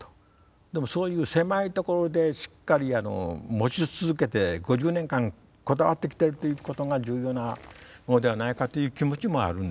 でもそういう狭いところでしっかり持ち続けて５０年間こだわってきてるということが重要なものではないかという気持ちもあるんです。